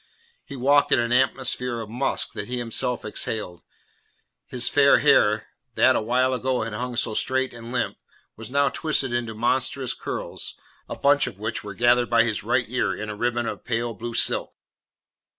He walked in an atmosphere of musk that he himself exhaled; his fair hair that a while ago had hung so straight and limp was now twisted into monstrous curls, a bunch of which were gathered by his right ear in a ribbon of pale blue silk.